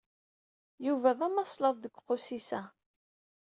Yuba d amaslaḍ deg uqusis-a.